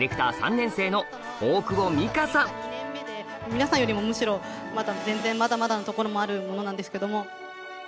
皆さんよりもむしろ全然まだまだなところもある者なんですけども。